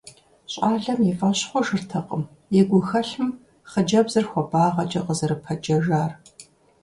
Щӏалэм и фӀэщ хъужыртэкъым и гухэлъым хъыджэбзыр хуабагъэкӀэ къызэрыпэджэжар.